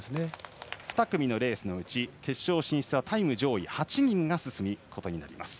２組のレースのうち決勝進出はタイム上位８人が進むことになります。